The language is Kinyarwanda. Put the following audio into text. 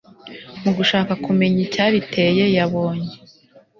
mu gushaka kumenya icyabiteye yabonye